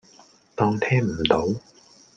當聽唔到